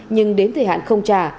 nhưng đến thời hạn không trả